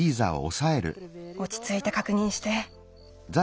おちついてかくにんして。